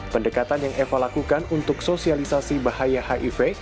pendekatan yang eva lakukan untuk sosialisasi bahaya hiv